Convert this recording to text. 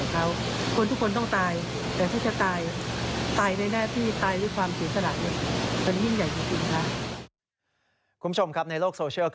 เขาเป็นคนที่มีคุณภาษาอยู่ที่นี่